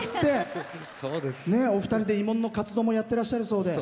お二人で慰問の活動もしていらっしゃるそうで。